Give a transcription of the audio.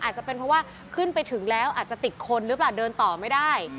อาจจะเป็นเพราะว่าขึ้นไปถึงแล้วอาจจะติดคนหรือเปล่าเดินต่อไม่ได้